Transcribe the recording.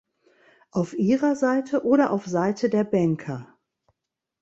Auf ihrer Seite oder auf Seite der Banker?